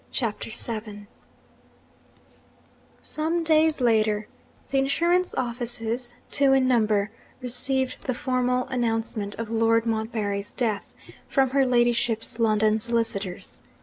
CHAPTER VII Some days later, the insurance offices (two in number) received the formal announcement of Lord Montbarry's death, from her ladyship's London solicitors.